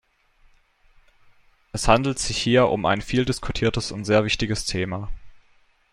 Es handelt sich hier um ein viel diskutiertes und sehr wichtiges Thema.